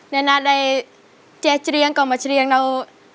แน่นอนได้เจ๊เจรียงกับเจรียงเรา